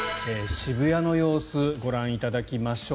渋谷の様子ご覧いただきましょう。